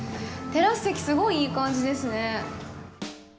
テラス席、すごいいい感じですね。